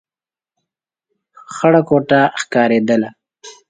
خړه کوټه ښکارېدله.